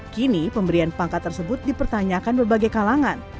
kini pemberian pangkat tersebut dipertanyakan berbagai kalangan